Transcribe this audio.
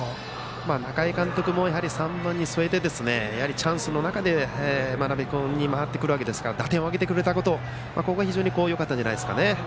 中井監督も３番に据えてチャンスの中で真鍋君に回ってくるわけですから打点を挙げてくれたことは非常によかったんじゃないですか。